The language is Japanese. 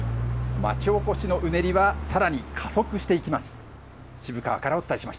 町おこしのうねりはさらに加速していきます。